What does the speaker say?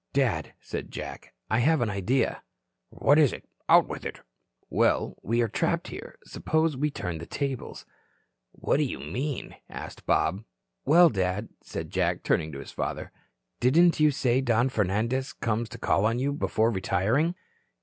"Dad," said Jack, "I have an idea." "What is it? Out with it." "Well, we are trapped here. Suppose we turn the tables." "What do you mean?" asked Bob. "Well, Dad," said Jack, turning to his father, "didn't you say Don Fernandez comes to call on you before retiring?"